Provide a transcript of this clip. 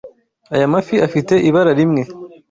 Aya mafi afite ibara rimwe.